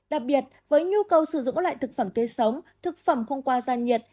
đặc biệt với nhu cầu sử dụng các loại thực phẩm tươi sống thực phẩm không qua gia nhiệt